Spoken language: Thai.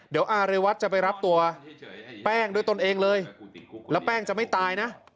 เดี๋ยวอาเรวัตจะไปรับตัวแป้งด้วยตนเองเลยแล้วแป้งจะไม่ตายนะ